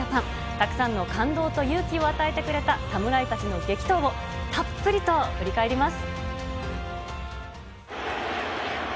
たくさんの感動と勇気を与えてくれた侍たちの激闘を、たっぷりと振り返ります。